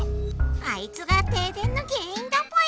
あいつが停電の原因だぽよ！